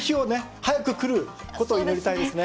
早く来ることを祈りたいですね。